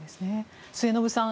末延さん